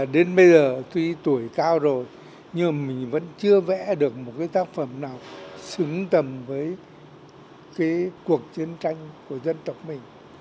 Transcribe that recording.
đến bây giờ tuy tuổi cao rồi nhưng mình vẫn chưa vẽ được một cái tác phẩm nào xứng tầm với cái cuộc chiến tranh của dân tộc mình